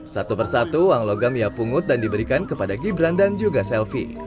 satu persatu uang logam ia pungut dan diberikan kepada gibran dan juga selvi